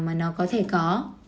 và nó có thể có